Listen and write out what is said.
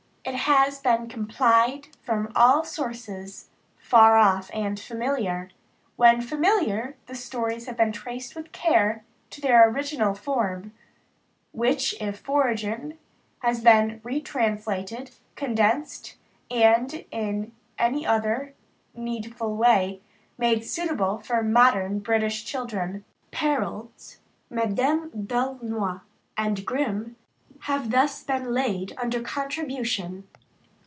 It has been compiled from all sources far off and familiar; when familiar, the stories have been traced with care to their original form, which, if foreign, has been retranslated, condensed, and in any other needful way made suitable for modern British children. Perrault, Madame d'Aulnois, and Grimm have thus been laid under contribution.